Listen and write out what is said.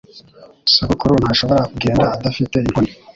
Sogokuru ntashobora kugenda adafite inkoni.